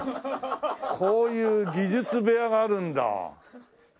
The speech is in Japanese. こういう技術部屋があるんだ。